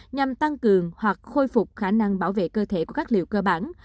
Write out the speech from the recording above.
nhằm tăng cường hoặc khôi phục khả năng bảo vệ cơ thể của các liệu cơ bản